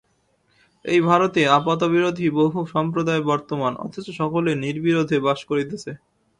এই ভারতে আপাতবিরোধী বহু সম্প্রদায় বর্তমান, অথচ সকলেই নির্বিরোধে বাস করিতেছে।